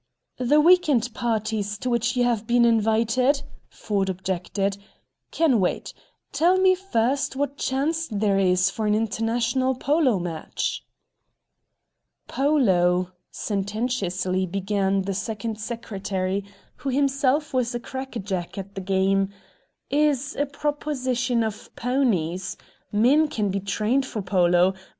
"The week end parties to which you have been invited," Ford objected, "can wait. Tell me first what chance there is for an international polo match." "Polo," sententiously began the Second Secretary, who himself was a crackerjack at the game, "is a proposition of ponies! Men can be trained for polo.